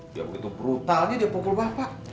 dia begitu brutalnya dia pukul bapak